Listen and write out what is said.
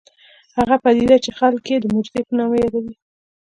هغه پدیده چې خلک یې د معجزې په نامه یادوي